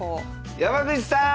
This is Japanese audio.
山口さん！